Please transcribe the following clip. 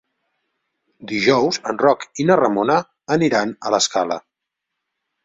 Dijous en Roc i na Ramona aniran a l'Escala.